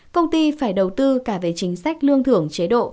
công ty phải đầu tư cả về chính sách lương thưởng chế độ